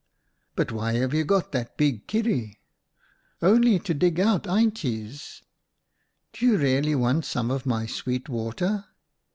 "' But why have you got that big kierie ?'"! Only to dig out eintjes.' "' Do you really want some of my sweet water